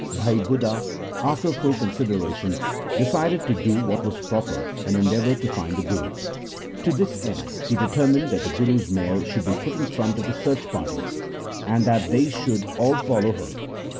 Bhai Budha, after full con sideration, decided to do what was proper, and endeavour to find the Guru. To this end he deter mined that the Guru's mare should be put in front of the search party, and that they should all follow her.